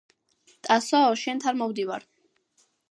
ტასოო შენთან მოვდივარ